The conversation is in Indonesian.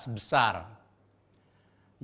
yang terbentuk karena adanya bangsa atau nation